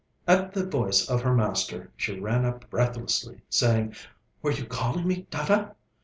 At the voice of her master, she ran up breathlessly, saying: 'Were you calling me, Dada?'